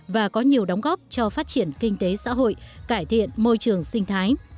và có nhiều đóng góp cho phát triển kinh tế xã hội cải thiện môi trường sinh thái